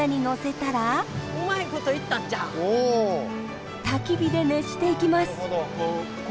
たき火で熱していきます。